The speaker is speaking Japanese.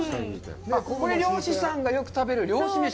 これは漁師さんがよく食べる漁師飯？